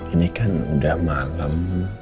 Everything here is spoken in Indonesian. ini kan udah malam